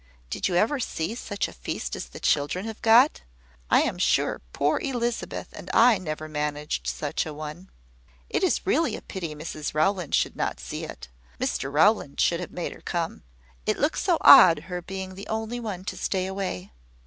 Did you ever see such a feast as the children have got? I am sure poor Elizabeth and I never managed such a one. It is really a pity Mrs Rowland should not see it. Mr Rowland should have made her come. It looks so odd, her being the only one to stay away!"